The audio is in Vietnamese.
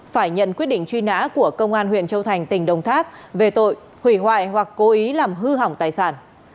phải nhận quyết định truy nã của công an huyện châu thành tỉnh đồng tháp về tội hủy hoại hoặc cố ý làm hư hỏng tài sản